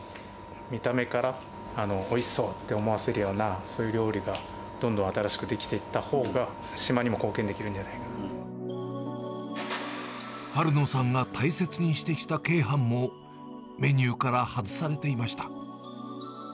見た目からおいしそうって思わせるような、そういう料理が、どんどん新しく出来ていったほうが、春野さんが大切にしてきた鶏飯も、メニューから外されていました。